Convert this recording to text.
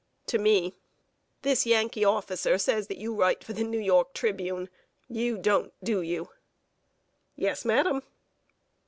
(To me:) "This Yankee officer says that you write for The New York Tribune. You don't, do you?" "Yes, madam."